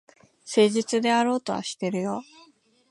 誠実であろうとはしてるよ。